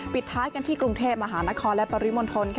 ปิดท้ายกันที่กรุงเทพฯมหานครและปริมนต์ธนตร์